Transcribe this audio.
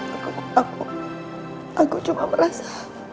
aku aku cuma merasa